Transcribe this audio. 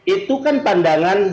itu kan pandangan